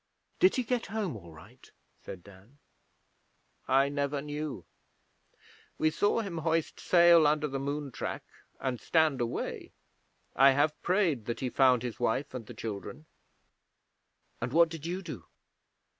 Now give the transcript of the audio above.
'Did he get home all right?' said Dan. 'I never knew. We saw him hoist sail under the moon track and stand away. I have prayed that he found his wife and the children.' 'And what did you do?'